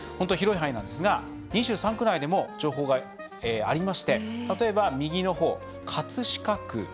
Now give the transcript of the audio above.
広い範囲なんですが２３区内でも情報がありまして例えば、右のほう、葛飾区。